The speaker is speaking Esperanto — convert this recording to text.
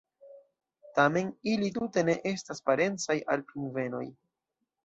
Tamen ili tute ne estas parencaj al pingvenoj.